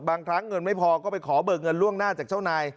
บางครั้งเงินไม่พอก็ไปขอเบิกเงินล่วงหน้าจากเจ้านาย